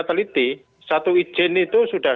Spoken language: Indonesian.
teliti satu izin itu sudah